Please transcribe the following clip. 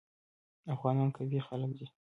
افغانان قوي خلک دي.